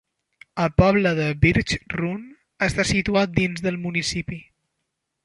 El poble de Birch Run està situat dins del municipi.